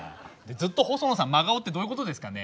ずっと細野さん真顔ってどういうことですかね？